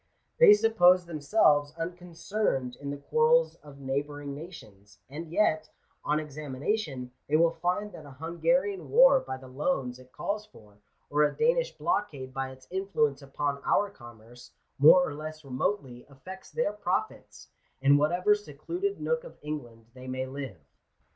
They suppose themselves unconcerned in the quarrels of neigh bouring nations ; and yet, on examination, they will find that a Hungarian war by the loans it calls for, or a Danish blockade by its influence upon our commerce, more or less remotely affects their profits, in whatever secluded nook of England they mav live.